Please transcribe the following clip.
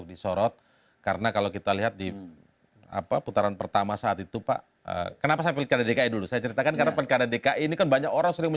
di tengah partai politik yang